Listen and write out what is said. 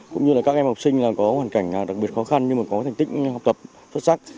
cũng như là các em học sinh có hoàn cảnh đặc biệt khó khăn nhưng mà có thành tích học tập xuất sắc